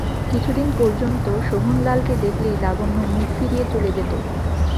কিছুদিন পর্যন্ত শোভনলালকে দেখলেই লাবণ্য মুখ ফিরিয়ে চলে যেত।